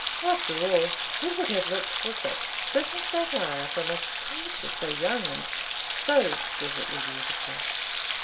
After all, who would have looked for such bitter satire from a creature so young, and so exquisitely beautiful?"